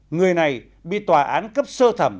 người này bị tòa án cấp sơ thẩm